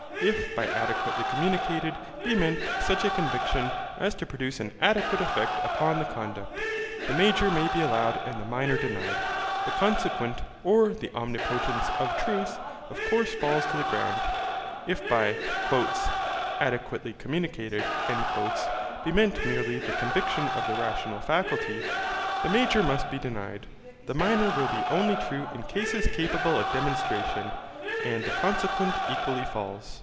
If by adequately communicated, be meant such a conviction as to produce an adequate effect upon the conduct, the major may be allowed and the minor denied. The consequent, or the omnipotence of truth, of course falls to the ground. If by 'adequately communicated' be meant merely the conviction of the rational faculty, the major must be denied, the minor will be only true in cases capable of demonstration, and the consequent equally falls.